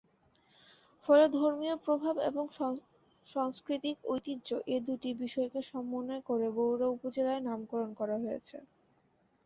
ফলে ধর্মীয় প্রভাব এবং সংস্কৃতিক ঐতিহ্য এ দুটি বিষয়কে সমন্বয় করে বরুড়া উপজেলার নামকরণ করা হয়েছে।